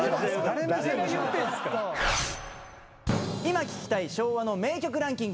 今聴きたい昭和の名曲ランキング